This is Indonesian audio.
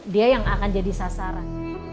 dia yang akan jadi sasaran